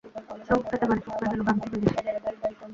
সব একেবারে চুপ হয়ে গেল, গান থেমে গেছে।